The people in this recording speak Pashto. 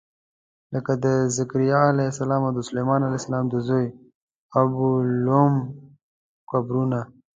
لکه د ذکریا علیه السلام او د سلیمان علیه السلام د زوی ابولوم قبرونه.